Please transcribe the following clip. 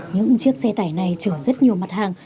những chiếc xe tải này chở rất nhiều mặt hàng